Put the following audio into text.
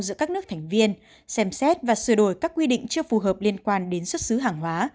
giữa các nước thành viên xem xét và sửa đổi các quy định chưa phù hợp liên quan đến xuất xứ hàng hóa